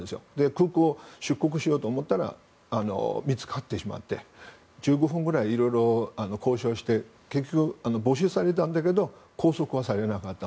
空港、出国しようと思ったら見つかってしまって１５分ぐらい、いろいろ交渉して結局、没収されたんだけど拘束はされなかった。